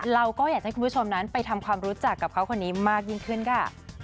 เราก็อยากให้คุณผู้ชมนั้นไปทำความรู้จักกับเขาคนนี้มากยิ่งขึ้นค่ะ